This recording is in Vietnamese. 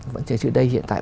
vẫn chứ đây hiện tại